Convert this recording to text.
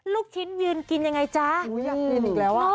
ลูกชิ้นยืนกินยังไงจ๊ะ